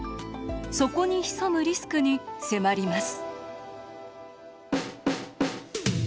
そこに潜むリスクに迫ります。